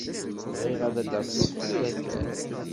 Bɣiɣ ad d-taseḍ tura kan.